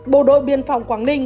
bộ đội biên phòng quảng ninh